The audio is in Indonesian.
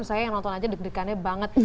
saya yang nonton aja deg degannya banget